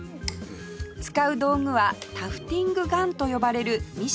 使う道具はタフティングガンと呼ばれるミシンのような機械